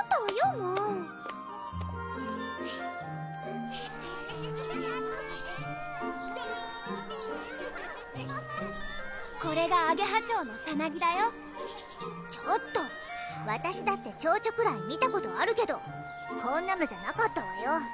もうこれがアゲハチョウのさなぎだよちょっとわたしだってチョウチョくらい見たことあるけどこんなのじゃなかったわよ